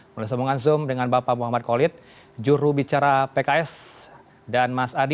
melalui sambungan zoom dengan bapak muhammad khalid juru bicara pks dan mas adi